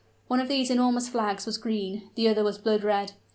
One of these enormous flags was green; the other was blood red.